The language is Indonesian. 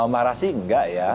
marah sih enggak ya